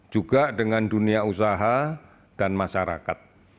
juga dengan dunia usaha dan masyarakat